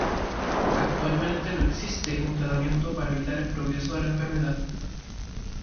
Actualmente no existe un tratamiento para evitar el progreso de la enfermedad.